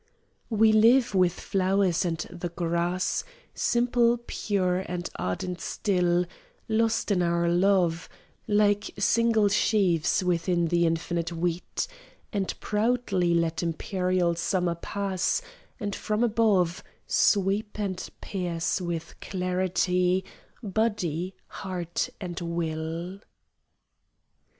We live with the flowers and the grass, Simple, pure and ardent still, Lost in our love, Like single sheaves within the infinite wheat, And proudly let imperial summer pass And from above Sweep and pierce with clarity Body, heart and will.